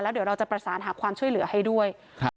เดี๋ยวเราจะประสานหาความช่วยเหลือให้ด้วย